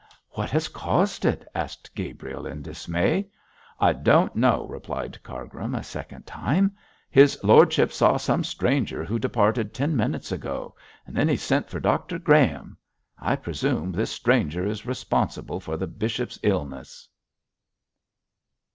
'What has caused it?' asked Gabriel, in dismay. 'I don't know!' replied Cargrim, a second time. 'His lordship saw some stranger who departed ten minutes ago. Then he sent for Dr Graham! I presume this stranger is responsible for the bishop's illness.'